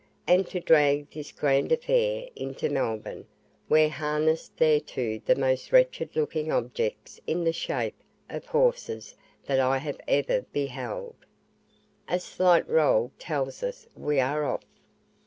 And to drag this grand affair into Melbourne were harnessed thereto the most wretched looking objects in the shape of horses that I had ever beheld. A slight roll tells us we are off.